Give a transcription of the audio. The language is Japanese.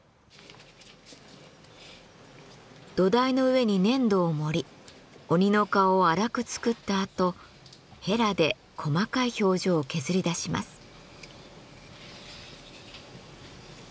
土台の上に粘土を盛り鬼の顔を粗く作ったあとヘラで細かい表情を削りだします。